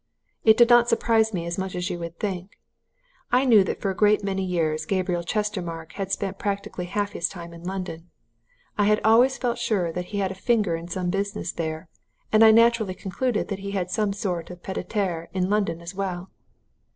It did not surprise me as much as you would think. I knew that for a great many years Gabriel Chestermarke had spent practically half his time in London I had always felt sure that he had a finger in some business there, and I naturally concluded that he had some sort of a pied à terre in London as well.